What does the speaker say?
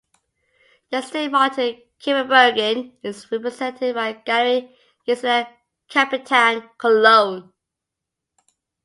The Estate Martin Kippenberger is represented by Galerie Gisela Capitain, Cologne.